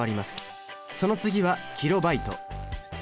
その次はキロバイト。